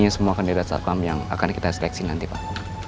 ini semua kandidat satpam yang akan kita seleksi nanti pak